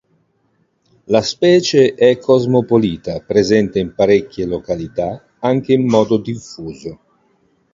La specie è cosmopolita, presente in parecchie località anche in modo diffuso.